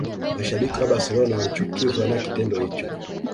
Mashabiki wa Barcelona walichukizwa na kitendo hicho